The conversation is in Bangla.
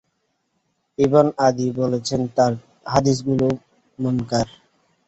ইবন আদী বলেছেন, তাঁর হাদীসগুলো মুনকার।